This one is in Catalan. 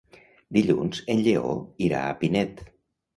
Dilluns en Lleó irà a Pinet.